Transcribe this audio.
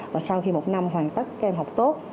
và sau khi một năm hoàn tất các em học tốt